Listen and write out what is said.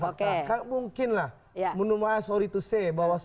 bentuk tim pencari fakta